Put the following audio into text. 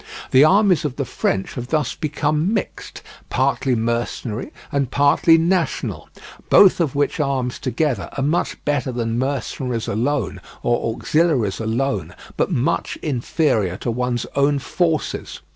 The armies of the French have thus become mixed, partly mercenary and partly national, both of which arms together are much better than mercenaries alone or auxiliaries alone, but much inferior to one's own forces.